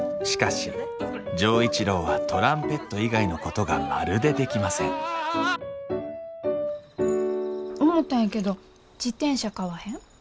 しかし錠一郎はトランペット以外のことがまるでできません思たんやけど自転車買わへん？